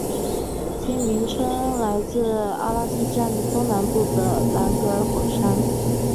其名称来自阿拉斯加东南部的兰格尔火山。